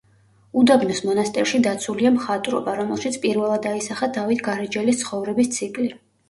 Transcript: უდაბნოს მონასტერში დაცულია მხატვრობა, რომელშიც პირველად აისახა დავით გარეჯელის ცხოვრების ციკლი.